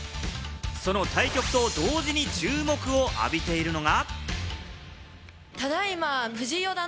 その対局と同時に注目を浴びているのが。